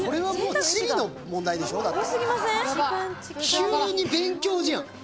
急に勉強じゃん。